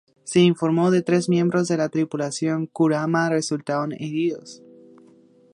Se informó de tres miembros de la tripulación Kurama resultaron heridos.